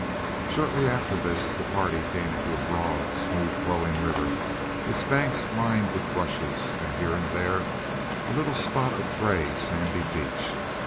Shortly after this the party came to a broad, smooth flowing river, its banks lined with rushes, with here and there a little spot of gray, sandy beach.